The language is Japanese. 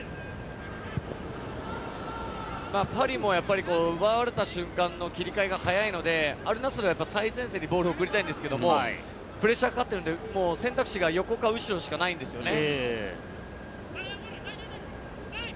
パリもやっぱり奪われた瞬間の切り替えが早いので、アルナスルはやっぱり最前線にボールを送りたいんですけれども、プレッシャーがかかってるので選択肢が横か後ろしかないんですよね。